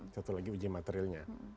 satu lagi uji materilnya